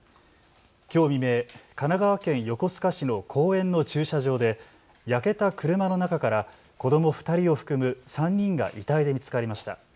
きょう未明、神奈川県横須賀市の公園の駐車場で焼けた車の中から子ども２人を含む３人が遺体で見つかりました。